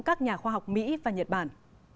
các nhà khoa học mỹ và nhật bản